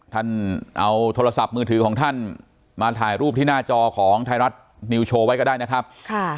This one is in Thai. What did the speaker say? ท่านเอาโทรศัพท์มือถือของท่านมาถ่ายรูปที่หน้าจอของไทยรัฐนิวโชว์ไว้ก็ได้นะครับ